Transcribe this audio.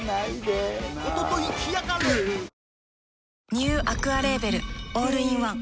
ニューアクアレーベルオールインワン